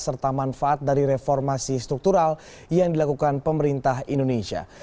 serta manfaat dari reformasi struktural yang dilakukan pemerintah indonesia